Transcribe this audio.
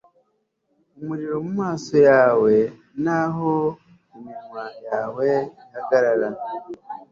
umuriro mumaso yawe n'aho iminwa yawe ihagarara